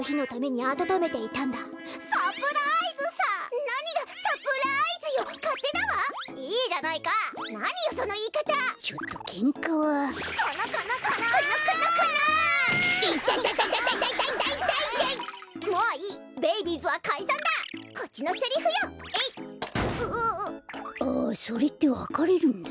あっそれってわかれるんだ。